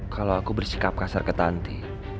kalau aku bersikap kasar ke tanti